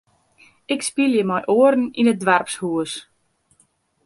Ik spylje mei oaren yn it doarpshûs.